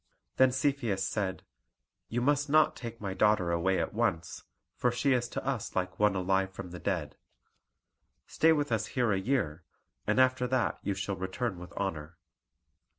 Then Cepheus said, "You must not take my daughter away at once, for she is to us like one alive from the dead. Stay with us here a year, and after that you shall return with honour."